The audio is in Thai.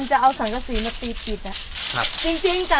เจ๊อย่าออกไปนะเจ๊นะ